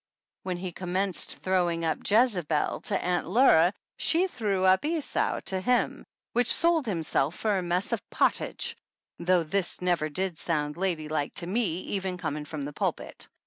When he commenced throwing up Jezebel to Aunt Laura she threw up Esau to him, which sold himself for a "mess of pottage," though this never did sound lady like to me, even com ing from the pulpit.